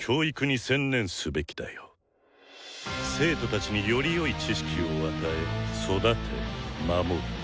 生徒たちによりよい知識を与え育て守る。